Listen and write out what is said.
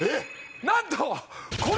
なんと。